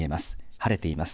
晴れています。